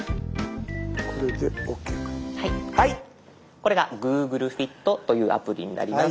これが「ＧｏｏｇｌｅＦｉｔ」というアプリになります。